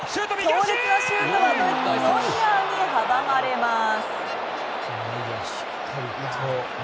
強烈なシュートはドイツのノイアーに阻まれます。